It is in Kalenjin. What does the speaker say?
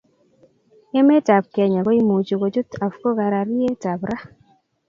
Emet ab kenya ko imuche kuchut Afco karari eb raa